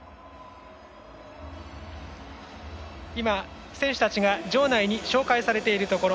今、選手たちが場内に紹介されているところ。